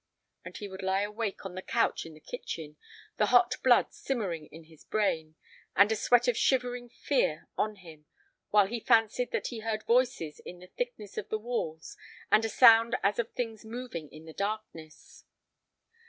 And he would lie awake on the couch in the kitchen, the hot blood simmering in his brain, and a sweat of shivering fear on him, while he fancied that he heard voices in the thickness of the walls and a sound as of things moving in the darkness.